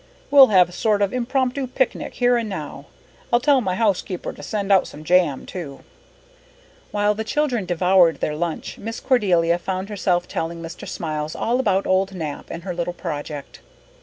We'll have a sort of impromptu picnic here and now, I'll tell my housekeeper to send out some jam too." While the children devoured their lunch Miss Cordelia found herself telling Mr. Smiles all about old Nap and her little project.